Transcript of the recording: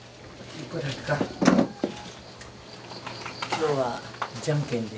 今日はじゃんけんで。